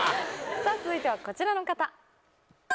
続いてはこちらの方。